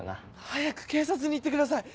早く警察に行ってください！